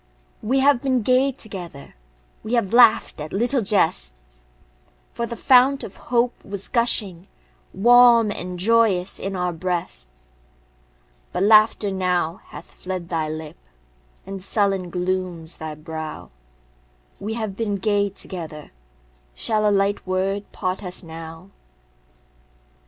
We have been gay together; We have laughed at little jests; For the fount of hope was gushing Warm and joyous in our breasts, But laughter now hath fled thy lip, And sullen glooms thy brow; We have been gay together, Shall a light word part us now?